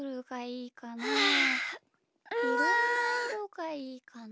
いろんないろがいいかな。